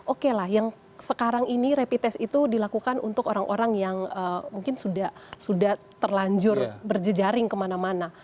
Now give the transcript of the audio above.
oke lah yang sekarang ini rapid test itu dilakukan untuk orang orang yang mungkin sudah terlanjur berjejaring kemana mana